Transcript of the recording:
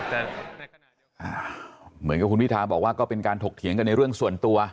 แต่เหมือนกับคุณพิทาบอกว่าก็เป็นการถกเถียงกันในเรื่องส่วนตัว